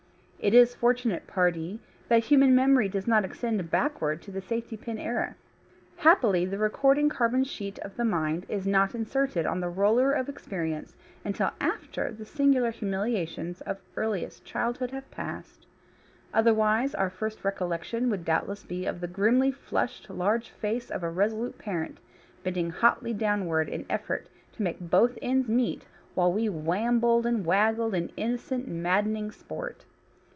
It is fortunate, pardee, that human memory does not extend backward to the safety pin era happily the recording carbon sheet of the mind is not inserted on the roller of experience until after the singular humiliations of earliest childhood have passed. Otherwise our first recollection would doubtless be of the grimly flushed large face of a resolute parent, bending hotly downward in effort to make both ends meet while we wambled and waggled in innocent, maddening sport.